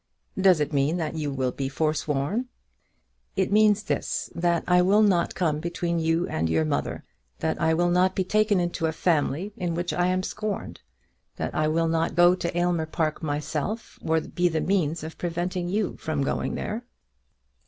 "Does it mean that you will be forsworn?" "It means this, that I will not come between you and your mother; that I will not be taken into a family in which I am scorned; that I will not go to Aylmer Park myself or be the means of preventing you from going there."